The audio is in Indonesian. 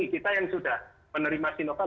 kita yang sudah menerima sinovac